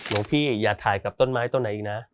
หลวงพี่อย่าถ่ายกับต้นไม้ต้นไหนอีกนะ